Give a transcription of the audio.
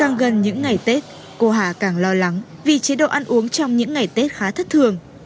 càng gần những ngày tết cô hạ càng lo lắng vì chế độ ăn uống trong những ngày tết khá thất thường